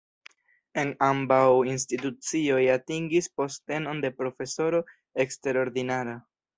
En ambaŭ institucioj atingis postenon de profesoro eksterordinara.